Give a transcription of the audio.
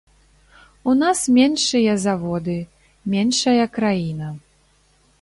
У нас меншыя заводы, меншая краіна.